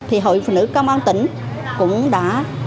hội phụ nữ công an tỉnh cũng đã